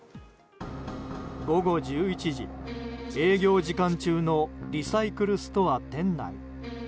午後１１時、営業時間中のリサイクルストア店内。